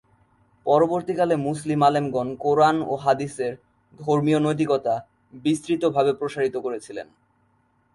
পরবর্তীকালে মুসলিম আলেমগণ কুরআন ও হাদিসের ধর্মীয় নৈতিকতা বিস্তৃতভাবে প্রসারিত করেছিলেন।